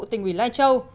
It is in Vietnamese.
tỉnh ủy lai châu